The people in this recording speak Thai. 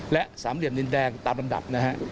และ๓เหลี่ยมดินแดงตามลำดับ